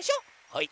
はい！